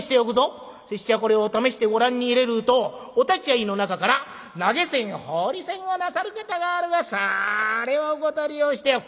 拙者これを試してご覧に入れるとお立ち会いの中から投げ銭放り銭をなさる方があるがさああれはお断りをしておく。